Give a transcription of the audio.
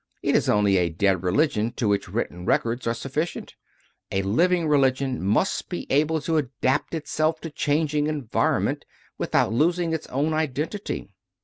It is only a dead religion to which written records are sufficient; a living religion must be able to adapt itself to changing environment without losing its own iden 92 CONFESSIONS OF A CONVERT tity.